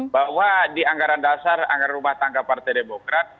bahwa di anggaran dasar anggaran rumah tangga partai demokrat